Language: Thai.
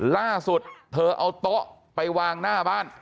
ล่าสุดเธอเอาโต๊ะไปวางหน้าบ้าน